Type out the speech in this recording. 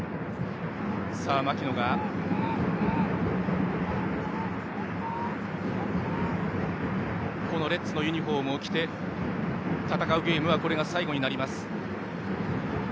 槙野はこのレッズのユニフォームを着て戦うゲームはこれが最後になります。